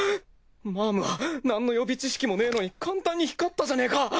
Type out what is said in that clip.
マァムはなんの予備知識もねえのに簡単に光ったじゃねえか！